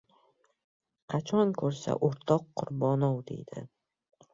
Qachon ko‘rsa o‘rtoq Qurbonov, deydi.